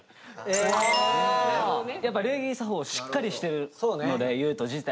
やっぱ礼儀作法をしっかりしてるので裕翔自体が。